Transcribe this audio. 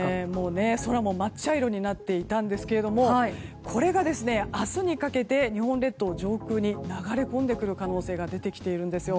空もまっ茶色になっていたんですがこれが明日にかけて日本列島上空に流れ込んでくる可能性が出てきているんです。